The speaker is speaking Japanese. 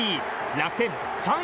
楽天、３位